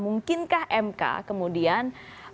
mungkinkah mk kemudian